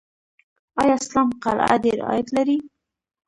آیا اسلام قلعه ډیر عاید لري؟